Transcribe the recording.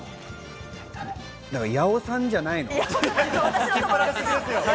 やおさんじゃないの？